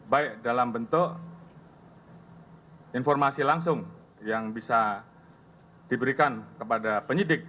baik dalam bentuk informasi langsung yang bisa diberikan kepada penyidik